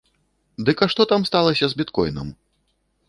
Дык а што там сталася з біткойнам?